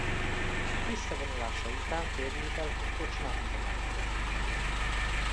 Visszavonulása után férjével egy kocsmát üzemeltetett.